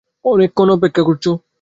অনেক্ষণ অপেক্ষা করেছ?